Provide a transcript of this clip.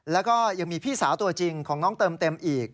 แล้วก็ยังมีพี่สาวตัวจริงของน้องเติมเต็มอีก